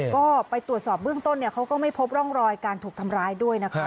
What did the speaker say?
ก็ไปตรวจสอบเบื้องต้นเขาก็ไม่พบร่องรอยการถูกทำร้ายด้วยนะคะ